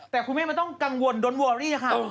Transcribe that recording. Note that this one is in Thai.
แต่คุณแม่ไม่ต้องกังวลโดนวัลนี้นะคะ